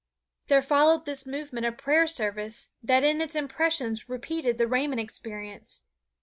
There followed this movement a prayer service that in its impressions repeated the Raymond experience.